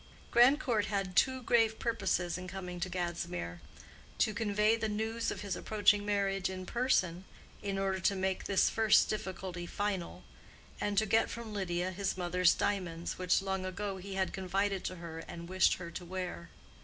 Grandcourt had two grave purposes in coming to Gadsmere: to convey the news of his approaching marriage in person, in order to make this first difficulty final; and to get from Lydia his mother's diamonds, which long ago he had confided to her and wished her to wear.